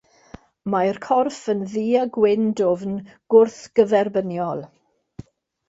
Mae'r corff yn ddu a gwyn dwfn gwrthgyferbyniol.